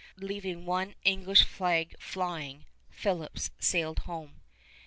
Leaving one English flag flying, Phips sailed home.